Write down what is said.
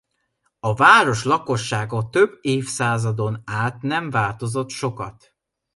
A város lakossága több évszázadon át nem változott sokat.